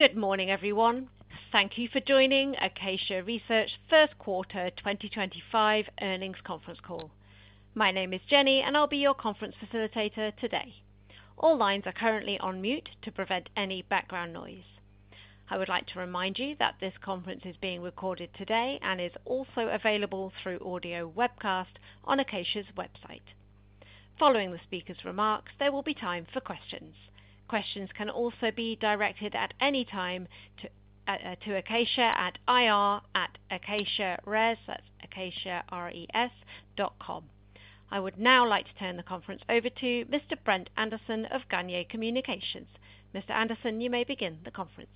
Good morning, everyone. Thank you for joining Acacia Research's First Quarter 2025 Earnings Conference Call. My name is Jenny, and I'll be your conference facilitator today. All lines are currently on mute to prevent any background noise. I would like to remind you that this conference is being recorded today and is also available through audio webcast on Acacia's website. Following the speakers' remarks, there will be time for questions. Questions can also be directed at any time to Acacia at ir@acaciares.com. I would now like to turn the conference over to Mr. Brent Anderson of Gagnier Communications. Mr. Anderson, you may begin the conference.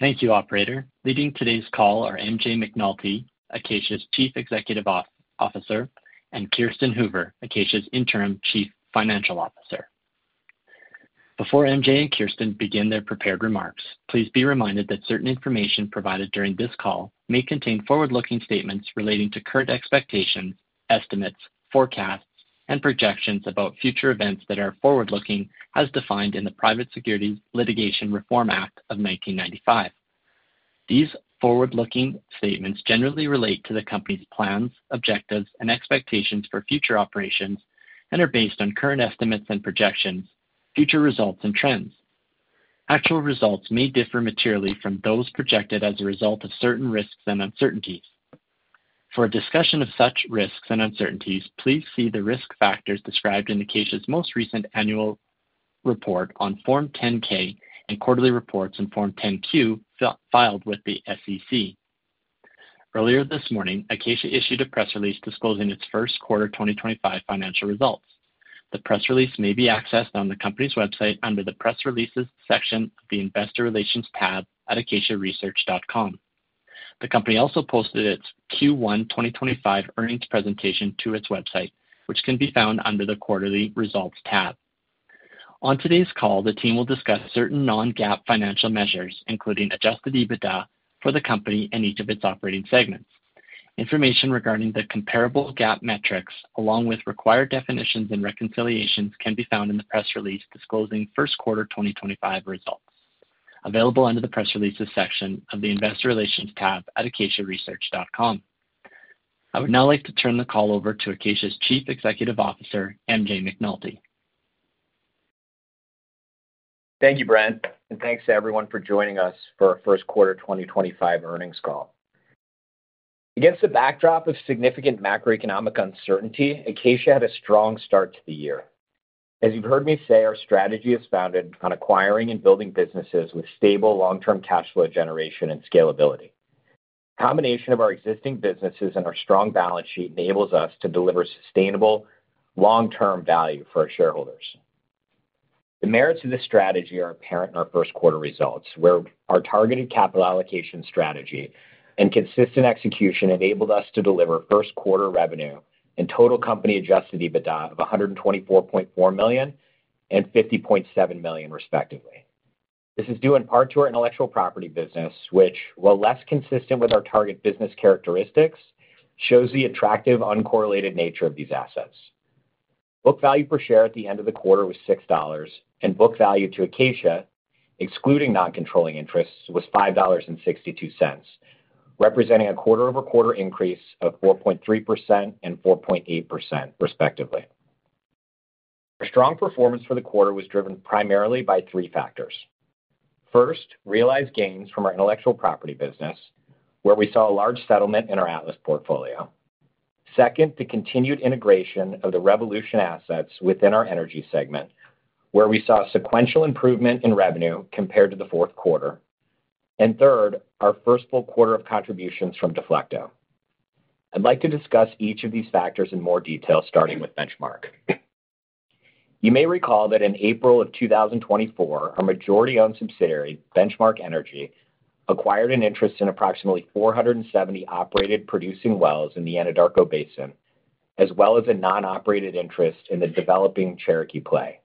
Thank you, Operator. Leading today's call are MJ McNulty, Acacia's Chief Executive Officer, and Kirsten Hoover, Acacia's Interim Chief Financial Officer. Before MJ and Kirsten begin their prepared remarks, please be reminded that certain information provided during this call may contain forward-looking statements relating to current expectations, estimates, forecasts, and projections about future events that are forward-looking, as defined in the Private Securities Litigation Reform Act of 1995. These forward-looking statements generally relate to the company's plans, objectives, and expectations for future operations and are based on current estimates and projections, future results, and trends. Actual results may differ materially from those projected as a result of certain risks and uncertainties. For a discussion of such risks and uncertainties, please see the risk factors described in Acacia's most recent annual report on Form 10-K and quarterly reports in Form 10-Q filed with the SEC. Earlier this morning, Acacia issued a press release disclosing its first quarter 2025 financial results. The press release may be accessed on the company's website under the Press Releases section of the Investor Relations tab at acaciaresearch.com. The company also posted its Q1 2025 earnings presentation to its website, which can be found under the Quarterly Results tab. On today's call, the team will discuss certain non-GAAP financial measures, including adjusted EBITDA for the company and each of its operating segments. Information regarding the comparable GAAP metrics, along with required definitions and reconciliations, can be found in the press release disclosing first quarter 2025 results, available under the Press Releases section of the Investor Relations tab at acaciaresearch.com. I would now like to turn the call over to Acacia's Chief Executive Officer, MJ McNulty. Thank you, Brent, and thanks to everyone for joining us for our first quarter 2025 earnings call. Against the backdrop of significant macroeconomic uncertainty, Acacia had a strong start to the year. As you've heard me say, our strategy is founded on acquiring and building businesses with stable long-term cash flow generation and scalability. The combination of our existing businesses and our strong balance sheet enables us to deliver sustainable long-term value for our shareholders. The merits of this strategy are apparent in our first quarter results, where our targeted capital allocation strategy and consistent execution enabled us to deliver first quarter revenue and total company adjusted EBITDA of $124.4 million and $50.7 million, respectively. This is due in part to our intellectual property business, which, while less consistent with our target business characteristics, shows the attractive, uncorrelated nature of these assets. Book value per share at the end of the quarter was $6, and book value to Acacia, excluding non-controlling interest, was $5.62, representing a quarter-over-quarter increase of 4.3% and 4.8%, respectively. Our strong performance for the quarter was driven primarily by three factors. First, realized gains from our intellectual property business, where we saw a large settlement in our Atlas portfolio. Second, the continued integration of the Revolution Assets within our energy segment, where we saw sequential improvement in revenue compared to the fourth quarter. Third, our first full quarter of contributions from Deflecto. I'd like to discuss each of these factors in more detail, starting with Benchmark. You may recall that in April of 2024, our majority-owned subsidiary, Benchmark Energy, acquired an interest in approximately 470 operated producing wells in the Anadarko Basin, as well as a non-operated interest in the developing Cherokee Play.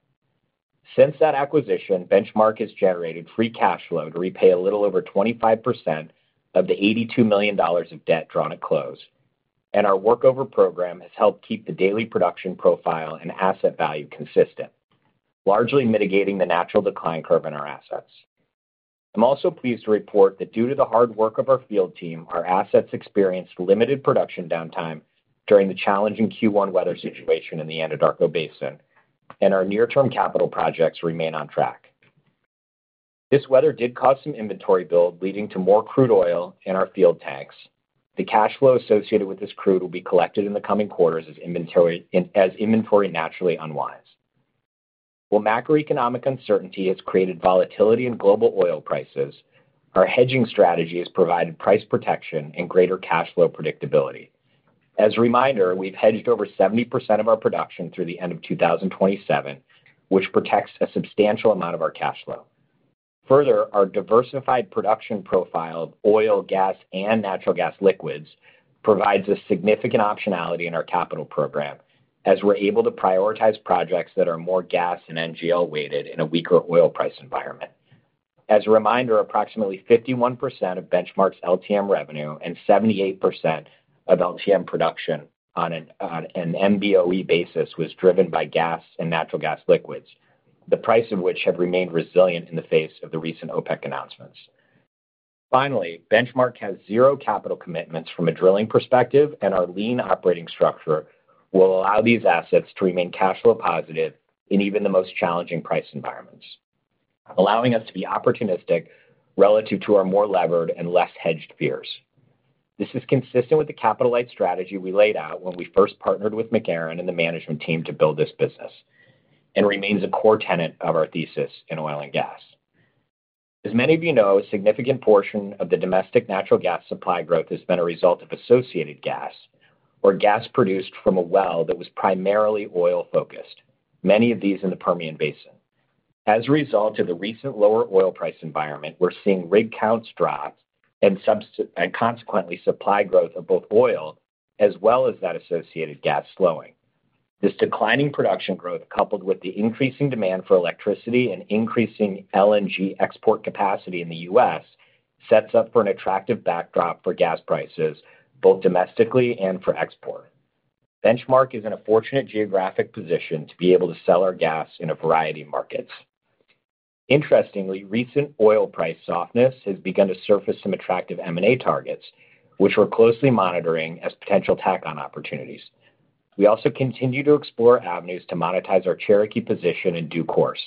Since that acquisition, Benchmark has generated free cash flow to repay a little over 25% of the $82 million of debt drawn at close, and our workover program has helped keep the daily production profile and asset value consistent, largely mitigating the natural decline curve in our assets. I'm also pleased to report that due to the hard work of our field team, our assets experienced limited production downtime during the challenging Q1 weather situation in the Anadarko Basin, and our near-term capital projects remain on track. This weather did cause some inventory build, leading to more crude oil in our field tanks. The cash flow associated with this crude will be collected in the coming quarters as inventory naturally unwinds. While macroeconomic uncertainty has created volatility in global oil prices, our hedging strategy has provided price protection and greater cash flow predictability. As a reminder, we've hedged over 70% of our production through the end of 2027, which protects a substantial amount of our cash flow. Further, our diversified production profile of oil, gas, and natural gas liquids provides a significant optionality in our capital program, as we're able to prioritize projects that are more gas and NGL-weighted in a weaker oil price environment. As a reminder, approximately 51% of Benchmark's LTM revenue and 78% of LTM production on an MBOE basis was driven by gas and natural gas liquids, the price of which has remained resilient in the face of the recent OPEC announcements. Finally, Benchmark has zero capital commitments from a drilling perspective, and our lean operating structure will allow these assets to remain cash flow positive in even the most challenging price environments, allowing us to be opportunistic relative to our more levered and less hedged peers. This is consistent with the capital-light strategy we laid out when we first partnered with McArron and the management team to build this business and remains a core tenet of our thesis in oil and gas. As many of you know, a significant portion of the domestic natural gas supply growth has been a result of associated gas or gas produced from a well that was primarily oil-focused, many of these in the Permian Basin. As a result of the recent lower oil price environment, we're seeing rig counts drop and consequently supply growth of both oil as well as that associated gas slowing. This declining production growth, coupled with the increasing demand for electricity and increasing LNG export capacity in the U.S., sets up for an attractive backdrop for gas prices, both domestically and for export. Benchmark is in a fortunate geographic position to be able to sell our gas in a variety of markets. Interestingly, recent oil price softness has begun to surface some attractive M&A targets, which we're closely monitoring as potential tack-on opportunities. We also continue to explore avenues to monetize our Cherokee position in due course.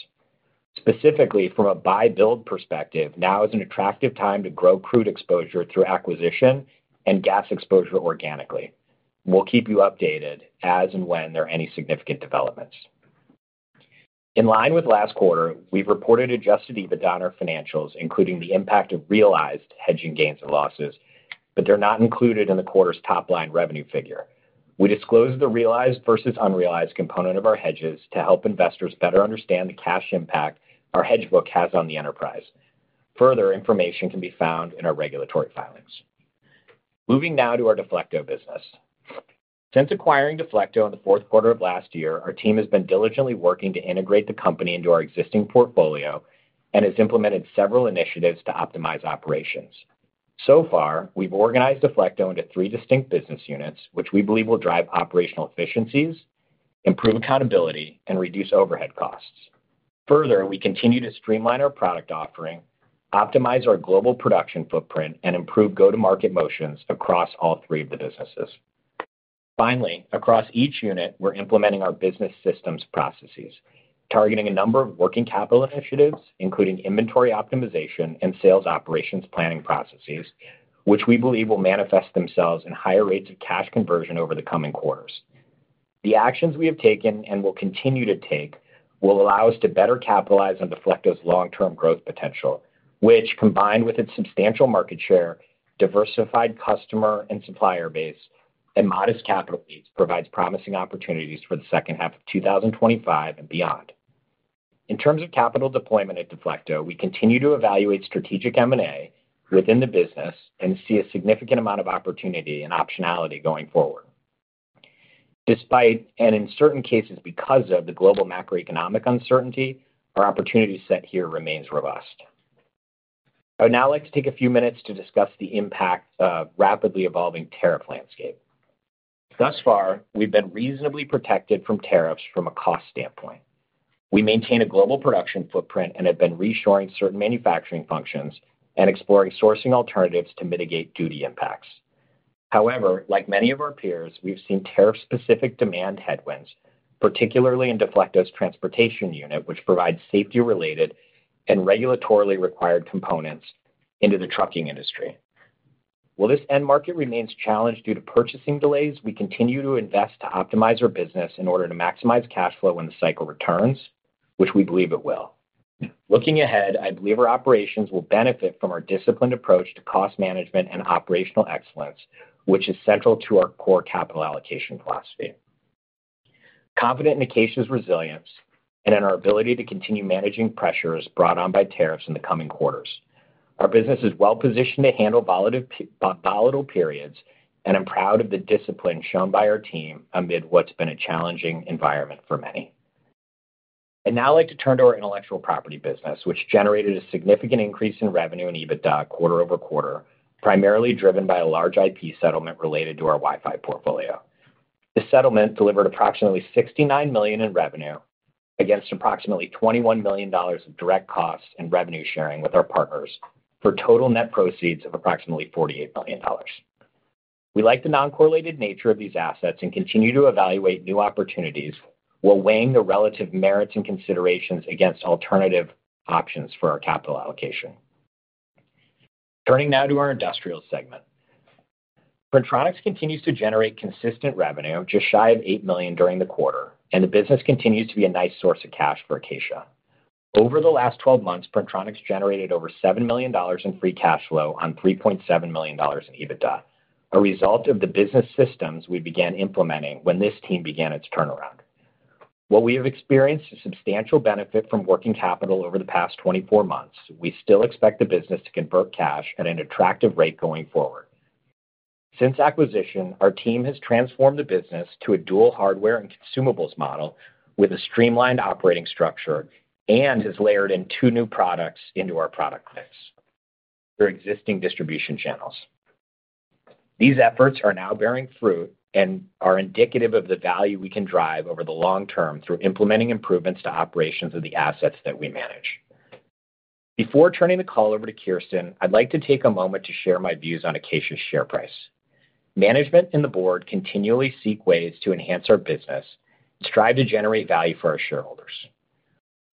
Specifically, from a buy-build perspective, now is an attractive time to grow crude exposure through acquisition and gas exposure organically. We'll keep you updated as and when there are any significant developments. In line with last quarter, we've reported adjusted EBITDA on our financials, including the impact of realized hedging gains and losses, but they're not included in the quarter's top-line revenue figure. We disclosed the realized versus unrealized component of our hedges to help investors better understand the cash impact our hedge book has on the enterprise. Further information can be found in our regulatory filings. Moving now to our Deflecto business. Since acquiring Deflecto in the fourth quarter of last year, our team has been diligently working to integrate the company into our existing portfolio and has implemented several initiatives to optimize operations. So far, we've organized Deflecto into three distinct business units, which we believe will drive operational efficiencies, improve accountability, and reduce overhead costs. Further, we continue to streamline our product offering, optimize our global production footprint, and improve go-to-market motions across all three of the businesses. Finally, across each unit, we're implementing our business systems processes, targeting a number of working capital initiatives, including inventory optimization and sales operations planning processes, which we believe will manifest themselves in higher rates of cash conversion over the coming quarters. The actions we have taken and will continue to take will allow us to better capitalize on Deflecto's long-term growth potential, which, combined with its substantial market share, diversified customer and supplier base, and modest capital needs, provides promising opportunities for the second half of 2025 and beyond. In terms of capital deployment at Deflecto, we continue to evaluate strategic M&A within the business and see a significant amount of opportunity and optionality going forward. Despite, and in certain cases because of, the global macroeconomic uncertainty, our opportunity set here remains robust. I would now like to take a few minutes to discuss the impact of the rapidly evolving tariff landscape. Thus far, we've been reasonably protected from tariffs from a cost standpoint. We maintain a global production footprint and have been reshoring certain manufacturing functions and exploring sourcing alternatives to mitigate duty impacts. However, like many of our peers, we've seen tariff-specific demand headwinds, particularly in Deflecto's transportation unit, which provides safety-related and regulatorily required components into the trucking industry. While this end market remains challenged due to purchasing delays, we continue to invest to optimize our business in order to maximize cash flow when the cycle returns, which we believe it will. Looking ahead, I believe our operations will benefit from our disciplined approach to cost management and operational excellence, which is central to our core capital allocation philosophy. Confident in Acacia's resilience and in our ability to continue managing pressures brought on by tariffs in the coming quarters. Our business is well-positioned to handle volatile periods, and I'm proud of the discipline shown by our team amid what's been a challenging environment for many. I'd now like to turn to our intellectual property business, which generated a significant increase in revenue and EBITDA quarter-over-quarter, primarily driven by a large IP settlement related to our Wi-Fi portfolio. This settlement delivered approximately $69 million in revenue against approximately $21 million in direct costs and revenue sharing with our partners for total net proceeds of approximately $48 million. We like the non-correlated nature of these assets and continue to evaluate new opportunities while weighing the relative merits and considerations against alternative options for our capital allocation. Turning now to our industrial segment. Printronix continues to generate consistent revenue, just shy of $8 million during the quarter, and the business continues to be a nice source of cash for Acacia. Over the last 12 months, Printronix generated over $7 million in free cash flow on $3.7 million in EBITDA, a result of the business systems we began implementing when this team began its turnaround. While we have experienced a substantial benefit from working capital over the past 24 months, we still expect the business to convert cash at an attractive rate going forward. Since acquisition, our team has transformed the business to a dual hardware and consumables model with a streamlined operating structure and has layered in two new products into our product mix through existing distribution channels. These efforts are now bearing fruit and are indicative of the value we can drive over the long term through implementing improvements to operations of the assets that we manage. Before turning the call over to Kirsten, I'd like to take a moment to share my views on Acacia's share price. Management and the board continually seek ways to enhance our business and strive to generate value for our shareholders.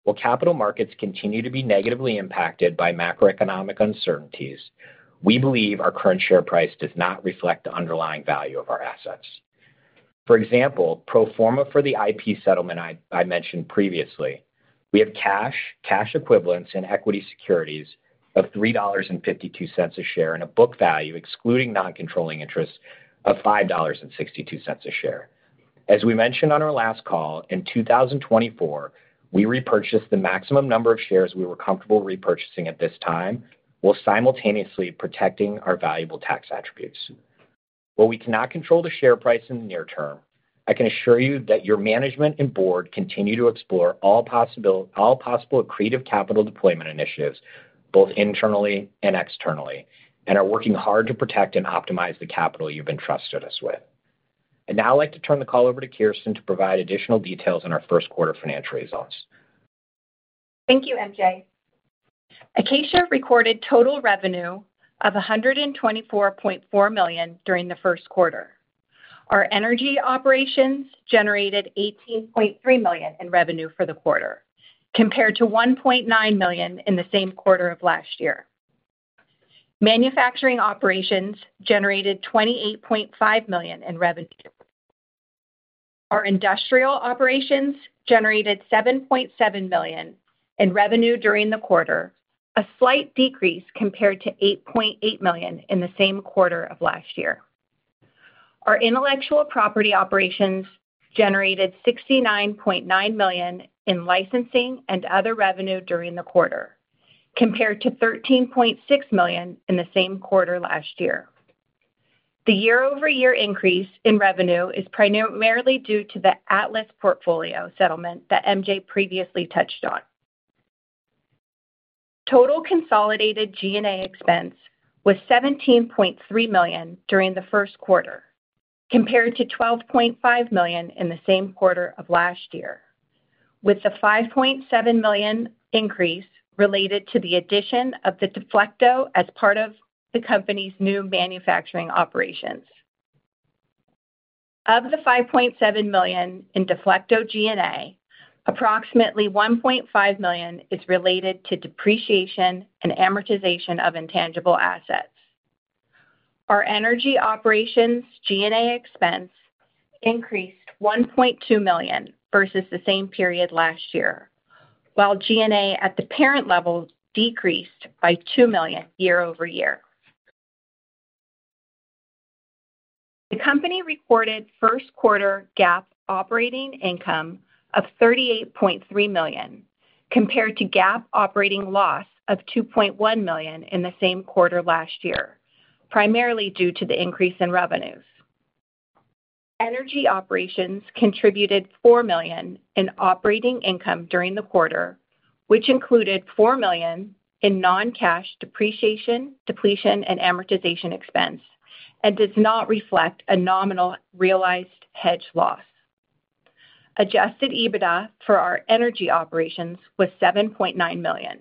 While capital markets continue to be negatively impacted by macroeconomic uncertainties, we believe our current share price does not reflect the underlying value of our assets. For example, pro forma for the IP settlement I mentioned previously, we have cash, cash equivalents, and equity securities of $3.52 a share and a book value, excluding non-controlling interest, of $5.62 a share. As we mentioned on our last call, in 2024, we repurchased the maximum number of shares we were comfortable repurchasing at this time while simultaneously protecting our valuable tax attributes. While we cannot control the share price in the near term, I can assure you that your management and board continue to explore all possible creative capital deployment initiatives, both internally and externally, and are working hard to protect and optimize the capital you've entrusted us with. I'd now like to turn the call over to Kirsten to provide additional details on our first quarter financial results. Thank you, MJ. Acacia recorded total revenue of $124.4 million during the first quarter. Our energy operations generated $18.3 million in revenue for the quarter, compared to $1.9 million in the same quarter of last year. Manufacturing operations generated $28.5 million in revenue. Our industrial operations generated $7.7 million in revenue during the quarter, a slight decrease compared to $8.8 million in the same quarter of last year. Our intellectual property operations generated $69.9 million in licensing and other revenue during the quarter, compared to $13.6 million in the same quarter last year. The year-over-year increase in revenue is primarily due to the Atlas portfolio settlement that MJ previously touched on. Total consolidated G&A expense was $17.3 million during the first quarter, compared to $12.5 million in the same quarter of last year, with a $5.7 million increase related to the addition of Deflecto as part of the company's new manufacturing operations. Of the $5.7 million in Deflecto G&A, approximately $1.5 million is related to depreciation and amortization of intangible assets. Our energy operations G&A expense increased $1.2 million versus the same period last year, while G&A at the parent level decreased by $2 million year-over-year. The company recorded first quarter GAAP operating income of $38.3 million, compared to GAAP operating loss of $2.1 million in the same quarter last year, primarily due to the increase in revenues. Energy operations contributed $4 million in operating income during the quarter, which included $4 million in non-cash depreciation, depletion, and amortization expense, and does not reflect a nominal realized hedge loss. Adjusted EBITDA for our energy operations was $7.9 million.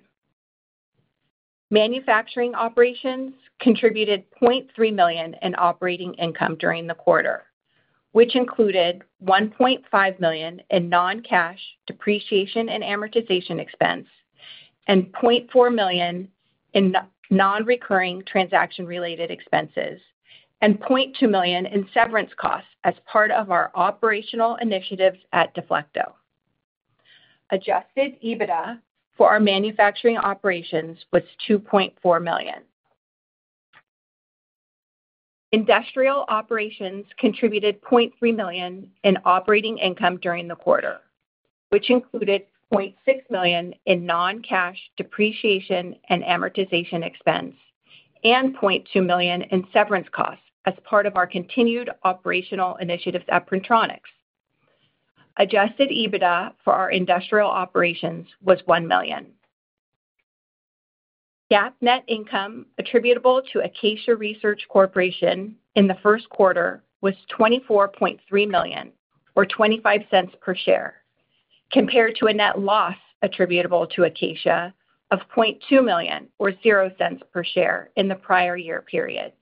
Manufacturing operations contributed $0.3 million in operating income during the quarter, which included $1.5 million in non-cash depreciation and amortization expense, and $0.4 million in non-recurring transaction-related expenses, and $0.2 million in severance costs as part of our operational initiatives at Deflecto. Adjusted EBITDA for our manufacturing operations was $2.4 million. Industrial operations contributed $0.3 million in operating income during the quarter, which included $0.6 million in non-cash depreciation and amortization expense, and $0.2 million in severance costs as part of our continued operational initiatives at Printronix. Adjusted EBITDA for our industrial operations was $1 million. GAAP net income attributable to Acacia Research Corporation in the first quarter was $24.3 million, or $0.25 per share, compared to a net loss attributable to Acacia of $0.2 million, or $0.00 per share, in the prior year period.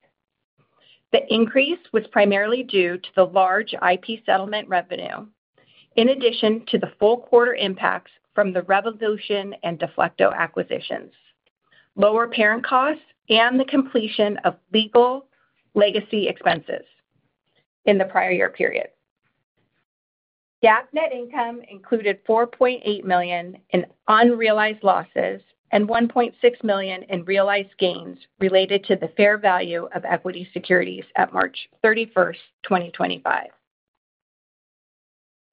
The increase was primarily due to the large IP settlement revenue, in addition to the full quarter impacts from the Revolution and Deflecto acquisitions, lower parent costs, and the completion of legal legacy expenses in the prior year period. GAAP net income included $4.8 million in unrealized losses and $1.6 million in realized gains related to the fair value of equity securities at March 31st, 2025.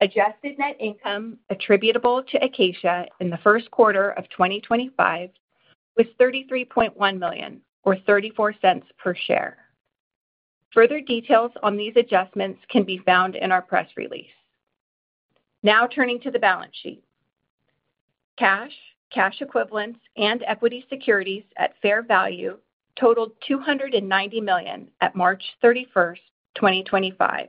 Adjusted net income attributable to Acacia in the first quarter of 2025 was $33.1 million, or $0.34 per share. Further details on these adjustments can be found in our press release. Now turning to the balance sheet. Cash, cash equivalents, and equity securities at fair value totaled $290 million at March 31st, 2025,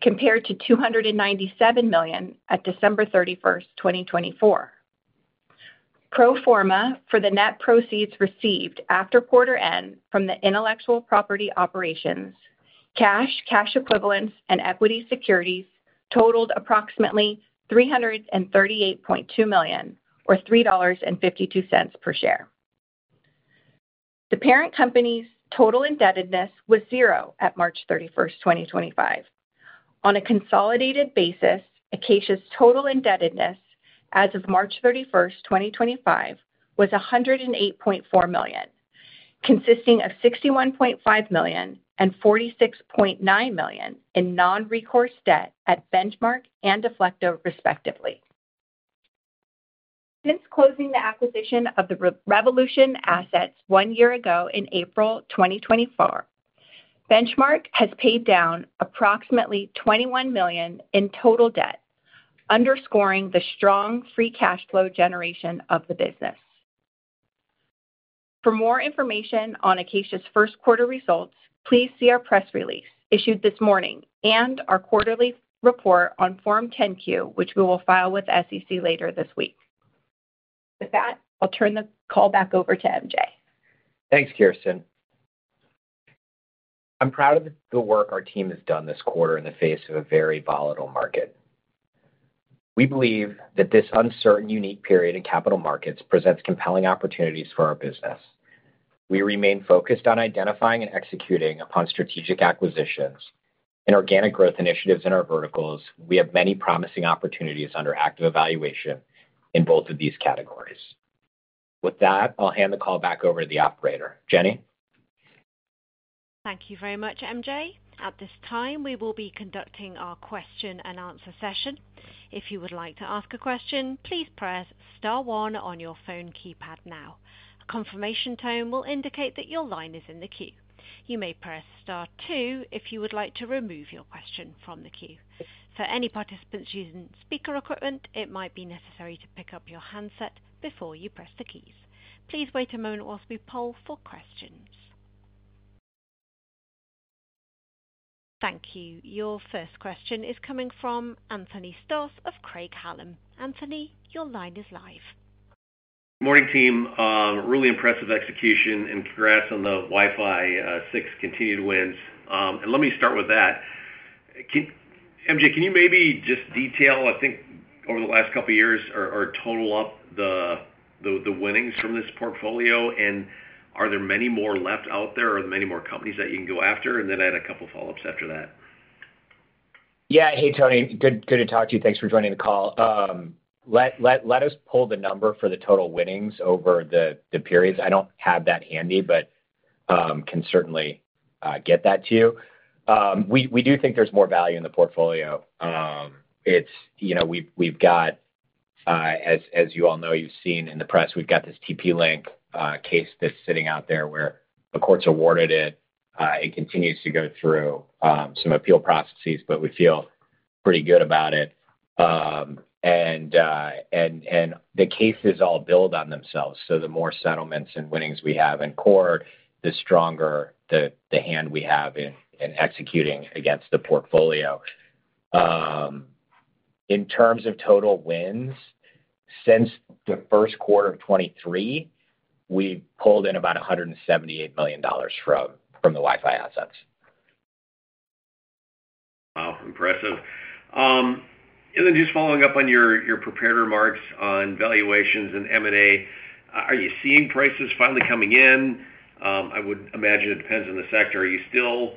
compared to $297 million at December 31st, 2024. Pro forma for the net proceeds received after quarter end from the intellectual property operations, cash, cash equivalents, and equity securities totaled approximately $338.2 million, or $3.52 per share. The parent company's total indebtedness was zero at March 31st, 2025. On a consolidated basis, Acacia's total indebtedness as of March 31st, 2025, was $108.4 million, consisting of $61.5 million and $46.9 million in non-recourse debt at Benchmark and Deflecto, respectively. Since closing the acquisition of the Revolution Assets one year ago in April 2024, Benchmark has paid down approximately $21 million in total debt, underscoring the strong free cash flow generation of the business. For more information on Acacia's first quarter results, please see our press release issued this morning and our quarterly report on Form 10-Q, which we will file with the SEC later this week. With that, I'll turn the call back over to MJ. Thanks, Kirsten. I'm proud of the work our team has done this quarter in the face of a very volatile market. We believe that this uncertain, unique period in capital markets presents compelling opportunities for our business. We remain focused on identifying and executing upon strategic acquisitions and organic growth initiatives in our verticals. We have many promising opportunities under active evaluation in both of these categories. With that, I'll hand the call back over to the operator. Jenny? Thank you very much, MJ. At this time, we will be conducting our question-and-answer session. If you would like to ask a question, please press star one on your phone keypad now. A confirmation tone will indicate that your line is in the queue. You may press star two if you would like to remove your question from the queue. For any participants using speaker equipment, it might be necessary to pick up your handset before you press the keys. Please wait a moment whilst we poll for questions. Thank you. Your first question is coming from Anthony Stoss of Craig-Hallum. Anthony, your line is live. Morning, team. Really impressive execution, and congrats on the Wi-Fi 6 continued wins. And let me start with that. MJ, can you maybe just detail, I think, over the last couple of years, or total up the winnings from this portfolio? Are there many more left out there? Are there many more companies that you can go after? I had a couple of follow-ups after that. Yeah. Hey, Tony. Good to talk to you. Thanks for joining the call. Let us pull the number for the total winnings over the periods. I do not have that handy, but can certainly get that to you. We do think there is more value in the portfolio. We have got, as you all know, you have seen in the press, we have got this TP-Link case that is sitting out there where a court has awarded it. It continues to go through some appeal processes, but we feel pretty good about it. The cases all build on themselves. The more settlements and winnings we have in court, the stronger the hand we have in executing against the portfolio. In terms of total wins, since the first quarter of 2023, we have pulled in about $178 million from the Wi-Fi assets. Wow. Impressive. Just following up on your prepared remarks on valuations and M&A, are you seeing prices finally coming in? I would imagine it depends on the sector. Are you still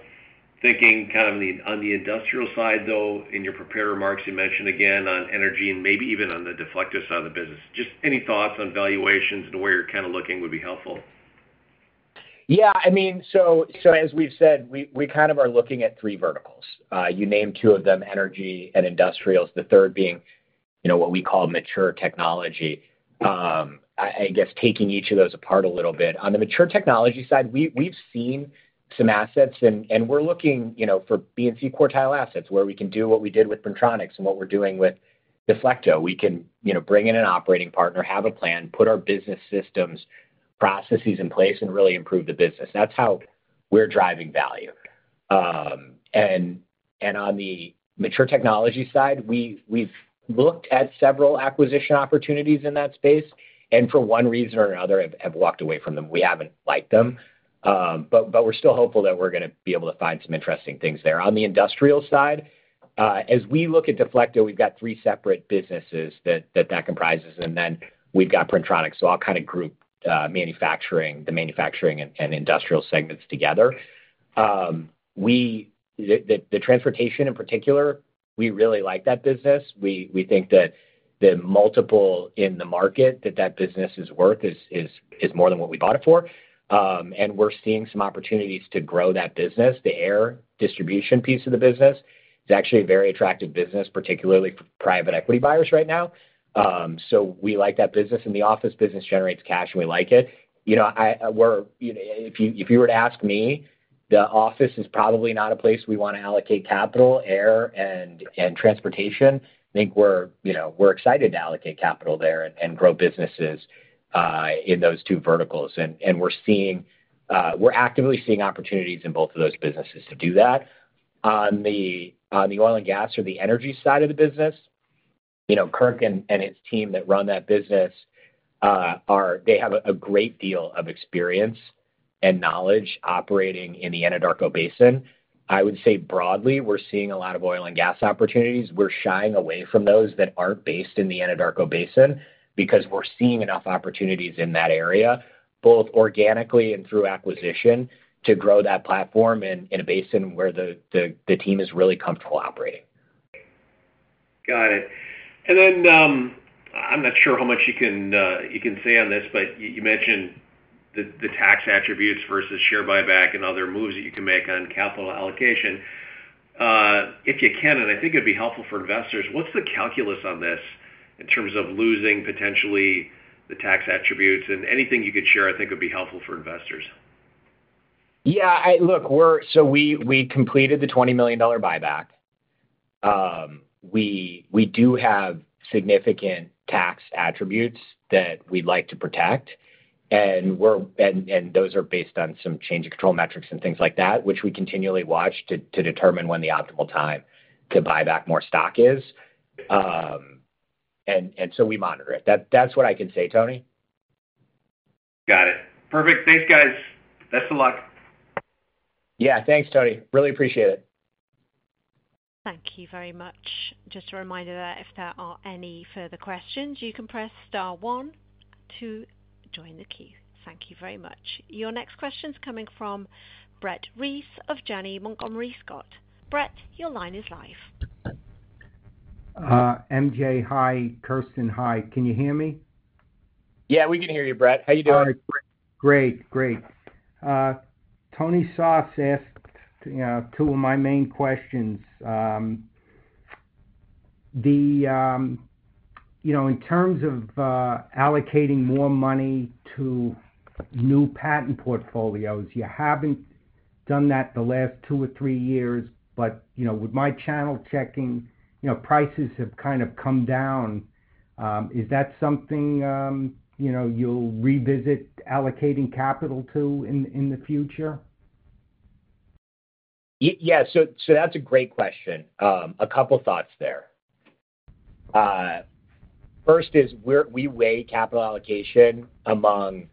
thinking kind of on the industrial side, though, in your prepared remarks you mentioned again on energy and maybe even on the Deflecto side of the business? Just any thoughts on valuations and where you are kind of looking would be helpful. Yeah. I mean, as we have said, we kind of are looking at three verticals. You named two of them, energy and industrials, the third being what we call mature technology. I guess taking each of those apart a little bit. On the mature technology side, we've seen some assets, and we're looking for B and C quartile assets where we can do what we did with Printronix and what we're doing with Deflecto. We can bring in an operating partner, have a plan, put our business systems, processes in place, and really improve the business. That's how we're driving value. On the mature technology side, we've looked at several acquisition opportunities in that space, and for one reason or another, have walked away from them. We haven't liked them, but we're still hopeful that we're going to be able to find some interesting things there. On the industrial side, as we look at Deflecto, we've got three separate businesses that that comprises, and then we've got Printronix, so I'll kind of group the manufacturing and industrial segments together. The transportation in particular, we really like that business. We think that the multiple in the market that that business is worth is more than what we bought it for. We are seeing some opportunities to grow that business. The air distribution piece of the business is actually a very attractive business, particularly for private equity buyers right now. We like that business. The office business generates cash, and we like it. If you were to ask me, the office is probably not a place we want to allocate capital. Air and transportation, I think we are excited to allocate capital there and grow businesses in those two verticals. We are actively seeing opportunities in both of those businesses to do that. On the oil and gas or the energy side of the business, Kirk and his team that run that business, they have a great deal of experience and knowledge operating in the Anadarko Basin. I would say broadly, we're seeing a lot of oil and gas opportunities. We're shying away from those that aren't based in the Anadarko Basin because we're seeing enough opportunities in that area, both organically and through acquisition, to grow that platform in a basin where the team is really comfortable operating. Got it. I'm not sure how much you can say on this, but you mentioned the tax attributes versus share buyback and other moves that you can make on capital allocation. If you can, and I think it'd be helpful for investors, what's the calculus on this in terms of losing potentially the tax attributes? Anything you could share, I think, would be helpful for investors. Yeah. Look, we completed the $20 million buyback. We do have significant tax attributes that we'd like to protect, and those are based on some change of control metrics and things like that, which we continually watch to determine when the optimal time to buy back more stock is. We monitor it. That's what I can say, Tony. Got it. Perfect. Thanks, guys. Best of luck. Yeah. Thanks, Tony. Really appreciate it. Thank you very much. Just a reminder that if there are any further questions, you can press star one to join the queue. Thank you very much. Your next question's coming from Brett Reese of Janney Montgomery Scott. Brett, your line is live. MJ, hi. Kirsten, hi. Can you hear me? Yeah, we can hear you, Brett. How are you doing? Great. Great. Tony Soss asked two of my main questions. In terms of allocating more money to new patent portfolios, you have not done that the last two or three years, but with my channel checking, prices have kind of come down. Is that something you will revisit allocating capital to in the future? Yeah. That is a great question. A couple of thoughts there. First is we weigh capital allocation among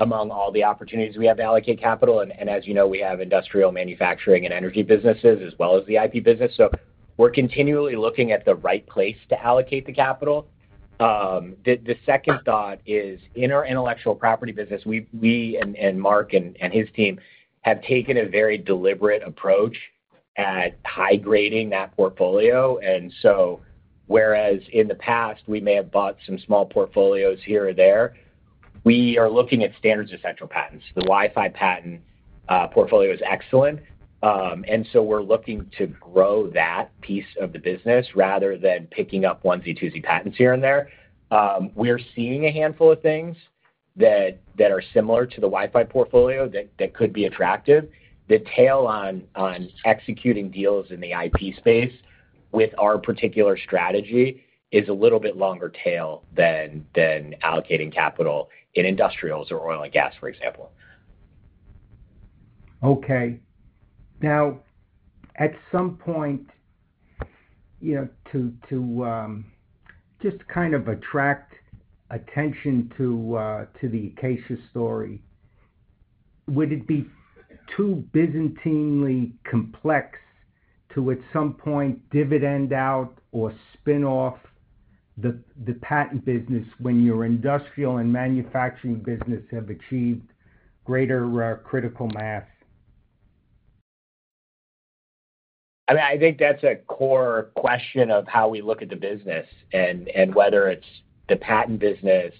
all the opportunities we have to allocate capital. As you know, we have industrial, manufacturing, and energy businesses, as well as the IP business. We are continually looking at the right place to allocate the capital. The second thought is in our intellectual property business, we and Mark and his team have taken a very deliberate approach at high-grading that portfolio. Whereas in the past, we may have bought some small portfolios here or there, we are looking at standards of central patents. The Wi-Fi patent portfolio is excellent. We are looking to grow that piece of the business rather than picking up onesie-twosie patents here and there. We are seeing a handful of things that are similar to the Wi-Fi portfolio that could be attractive. The tail on executing deals in the IP space with our particular strategy is a little bit longer tail than allocating capital in industrials or oil and gas, for example. Okay. Now, at some point, to just kind of attract attention to the Acacia story, would it be too byzantinely complex to at some point dividend out or spin off the patent business when your industrial and manufacturing business have achieved greater critical mass? I mean, I think that's a core question of how we look at the business and whether it's the patent business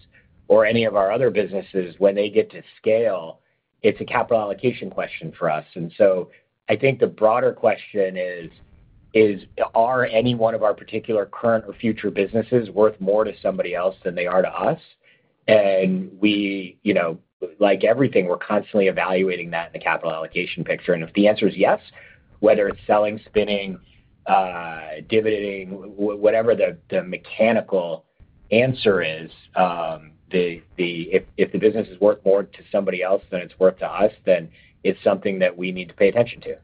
or any of our other businesses. When they get to scale, it's a capital allocation question for us. I think the broader question is, are any one of our particular current or future businesses worth more to somebody else than they are to us? Like everything, we're constantly evaluating that in the capital allocation picture. If the answer is yes, whether it's selling, spinning, dividending, whatever the mechanical answer is, if the business is worth more to somebody else than it's worth to us, then it's something that we need to pay attention to.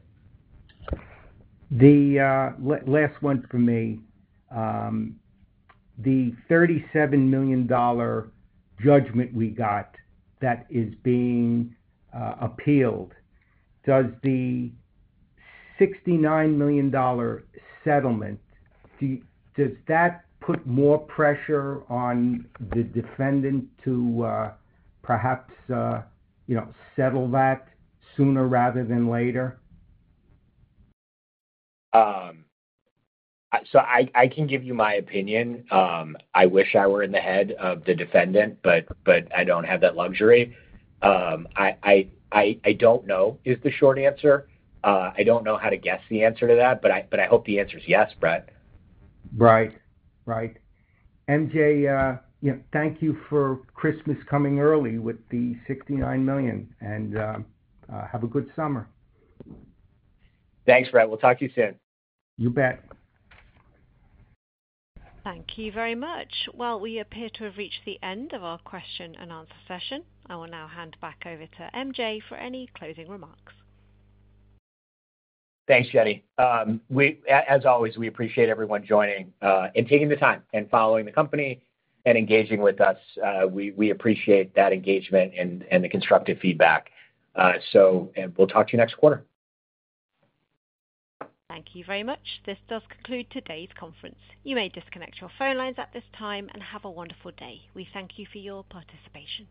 The last one for me. The $37 million judgment we got that is being appealed, does the $69 million settlement, does that put more pressure on the defendant to perhaps settle that sooner rather than later? I can give you my opinion. I wish I were in the head of the defendant, but I do not have that luxury. I do not know is the short answer. I do not know how to guess the answer to that, but I hope the answer is yes, Brett. Right. Right. MJ, thank you for Christmas coming early with the $69 million, and have a good summer. Thanks, Brett. We will talk to you soon. You bet. Thank you very much. We appear to have reached the end of our question-and-answer session. I will now hand back over to MJ for any closing remarks. Thanks, Jenny. As always, we appreciate everyone joining and taking the time and following the company and engaging with us. We appreciate that engagement and the constructive feedback. We will talk to you next quarter. Thank you very much. This does conclude today's conference. You may disconnect your phone lines at this time and have a wonderful day. We thank you for your participation.